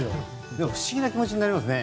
でも不思議な気持ちになりますね。